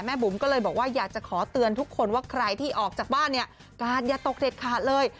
บุ๋มก็เลยบอกว่าอยากจะขอเตือนทุกคนว่าใครที่ออกจากบ้านเนี่ยกาดอย่าตกเด็ดขาดเลย